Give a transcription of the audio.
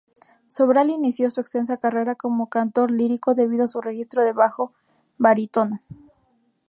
Sobral inició su extensa carrera como cantor lírico debido a su registro de bajo-barítono.